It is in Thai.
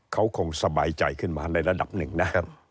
เขาคงสบายใจขึ้นมาในระดับหนึ่งนะครับ